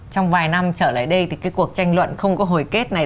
trong vài năm trở lại đây thì cái cuộc tranh luận không có hồi kết này